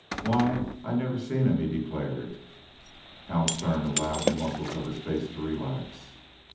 "Why, I never seen him," he declared. Hall Stern allowed the muscles of his face to relax.